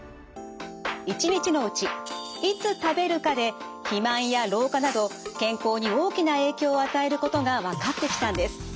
一日のうちいつ食べるかで肥満や老化など健康に大きな影響を与えることが分かってきたんです。